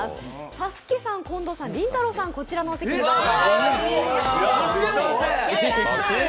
さすけさん、近藤さん、りんたろーさん、こちらのお席にどうぞ。